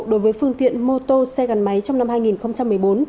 đối với phương tiện mô tô xe gắn máy trong năm hai nghìn một mươi bốn